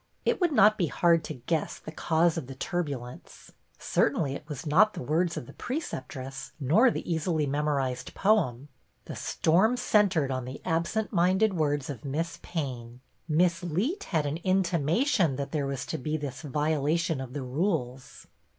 It would not be hard to guess the cause of the turbulence ; certainly it was not the words of the preceptress nor the easily memorized poem ; the storm centred on the absent minded words of Miss Payne :" Miss Leet had an intimation that there was to be this violation of the rules."